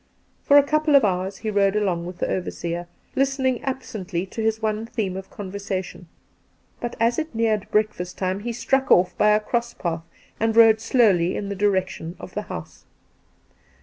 For a couple of hours he rode along with the overseer, listening absently to his one theme of conversation, , but as it neared breakfast time he struck off by a cross path and rode slowly in the direction of the house.